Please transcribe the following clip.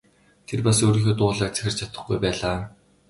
Тэр бас өөрийнхөө дуу хоолойг захирч чадахгүй байлаа.